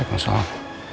baik mas om